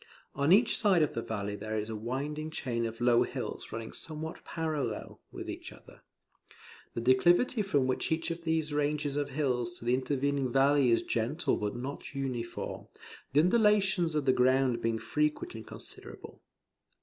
On each side of the valley there is a winding chain of low hills running somewhat parallel, with each other. The declivity from each of these ranges of hills to the intervening valley is gentle but not uniform, the undulations of the ground being frequent and considerable.